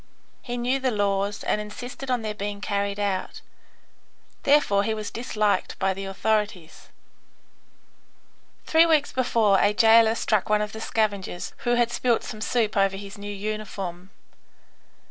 He knew the laws and insisted on their being carried out. Therefore he was disliked by the authorities. Three weeks before a jailer struck one of the scavengers who had spilt some soup over his new uniform.